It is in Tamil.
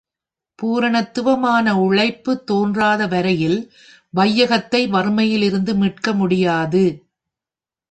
பூரணத்துவமான உழைப்பு தோன்றாத வரையில் வையகத்தை வறுமையிலிருந்து மீட்க முடியாது.